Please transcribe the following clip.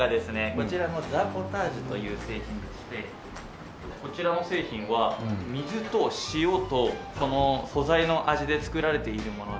こちらのＴＨＥＰＯＴＡＧＥという製品でしてこちらの製品は水と塩とその素材の味で作られているもので。